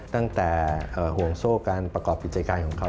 ตั้งแต่ห่วงโซ่การประกอบกิจการของเขา